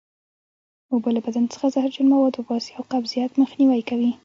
اوبه له بدن څخه زهرجن مواد وباسي او قبضیت مخنیوی کوي